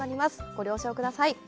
ご了承ください。